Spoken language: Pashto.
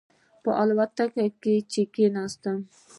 په الوتکه کې چې کېناستم.